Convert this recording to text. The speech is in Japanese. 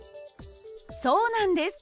そうなんです。